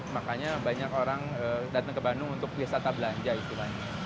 makanya banyak orang datang ke bandung untuk wisata belanja istilahnya